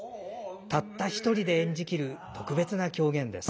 たった一人で演じ切る特別な狂言です。